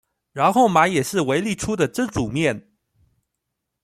然後買也是維力出的蒸煮麵